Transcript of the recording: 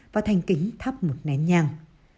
và thanh kính thắp một nén nhang